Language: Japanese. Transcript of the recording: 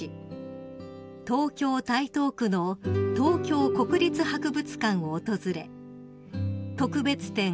東京台東区の東京国立博物館を訪れ特別展